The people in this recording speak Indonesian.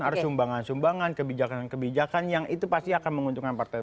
harus sumbangan sumbangan kebijakan kebijakan yang itu pasti akan menguntungkan partai